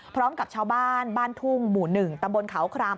พร้อมกับชาวบ้านบ้านทุ่งหมู่๑ตำบลเขาคราม